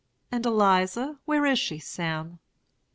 "'And Eliza, where is she, Sam?'